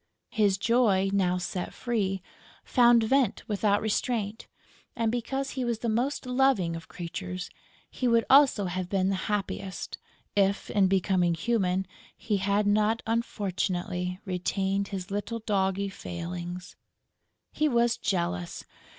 His joy, now set free, found vent without restraint; and, because he was the most loving of creatures, he would also have been the happiest, if, in becoming human, he had not, unfortunately, retained his little doggy failings. He was jealous!